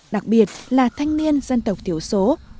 đặc biệt là thanh niên dân tộc thiểu số